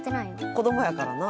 子供やからな。